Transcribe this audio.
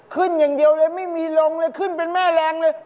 ขึ้นอย่างเดียวเลยไม่มีลงเลยขึ้นเป็นแม่แรงเลย